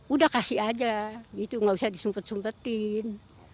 udah kasih aja gitu nggak usah disumpet sumpetin